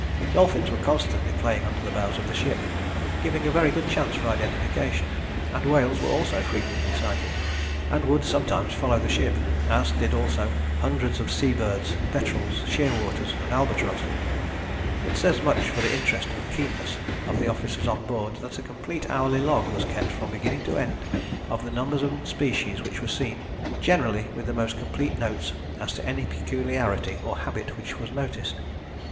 Dolphins were constantly playing under the bows of the ship, giving a very good chance for identification, and whales were also frequently sighted, and would sometimes follow the ship, as did also hundreds of sea birds, petrels, shearwaters and albatross. It says much for the interest and keenness of the officers on board that a complete hourly log was kept from beginning to end of the numbers and species which were seen, generally with the most complete notes as to any peculiarity or habit which was noticed.